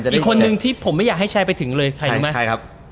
อีกคนนึงที่ผมไม่อยากให้แชร์ไปถึงเลยใครรู้ไหมใช่ครับ